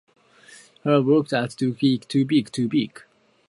Her work has been translated into French, Persian and German.